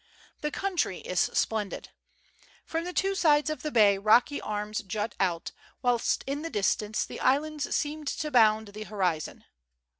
'fhe country is splendid. From tlie two sides of the bay rocky arms jut out, whilst in the distance the islands seem to bound the horizon.